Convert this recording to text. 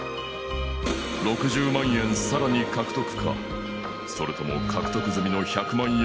６０万円さらに獲得かそれとも獲得済みの１００万円